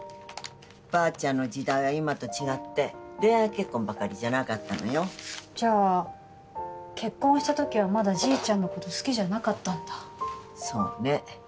ばあちゃんの時代は今と違って恋愛結婚ばかりじゃなかったのよじゃあ結婚した時はまだじいちゃんのこと好きじゃなかったんだそうね